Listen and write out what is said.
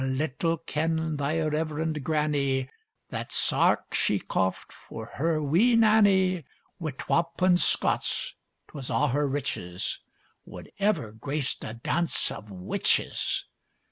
little kenned thy reverend grannie, That sark she coft for her wee Nannie, Wi' twa pund Scots ('twas a' her riches), Wad ever graced a dance of witches!